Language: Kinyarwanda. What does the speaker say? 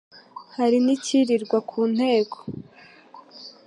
Hari n' icyirirwa ku nteko,